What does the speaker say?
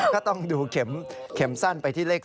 ก็ต้องดูเข็มสั้นไปที่เลข๓